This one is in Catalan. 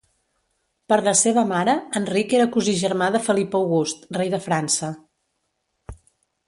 Per la seva mare, Enric era cosí germà de Felip August, rei de França.